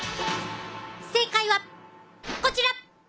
正解はこちら！